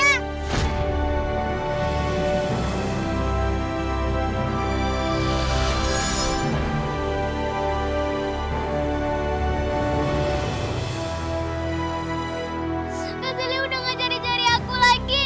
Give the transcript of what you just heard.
kak selly udah gak cari cari aku lagi